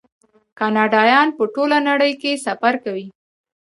کاناډایان په ټوله نړۍ کې سفر کوي.